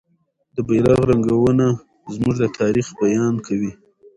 د بیرغ رنګونه زموږ د تاریخ بیان کوي.